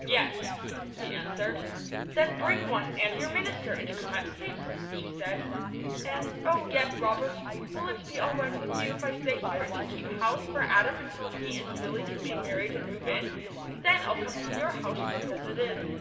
"Yes," he answered. "Then bring one, and your minister, and come at six," she said. "And Oh, yes, Robert, will it be all right with you if I stay here and keep house for Adam until he and Milly can be married and move in? Then I'll come to your house just as it is.